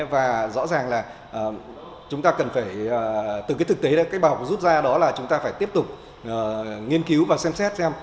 và rõ ràng là chúng ta cần phải từ cái thực tế đó cái bảo vụ rút ra đó là chúng ta phải tiếp tục nghiên cứu và xem xét xem